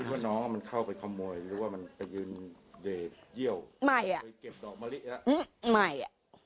คิดว่าน้องมันเข้าไปขโมยหรือว่ามันไปยืนเด่เยี่ยว